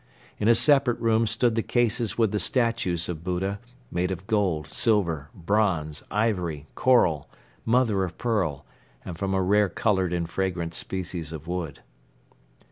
In a separate room stood the cases with the statues of Buddha, made of gold, silver, bronze, ivory, coral, mother of pearl and from a rare colored and fragrant species of wood.